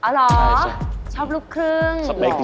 อ๋อเหรอชอบลูกครึ่งหรือเหรอ